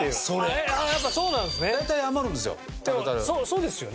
そうですよね。